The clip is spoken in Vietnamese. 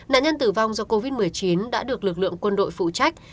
nạn nhân tử vong do covid một mươi chín đã được lực lượng quân đội phụ trách